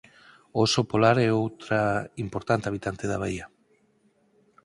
O oso polar é outra importante habitante da baía.